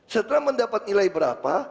setelah mendapat nilai berapa